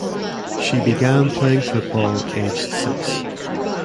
She began playing football aged six.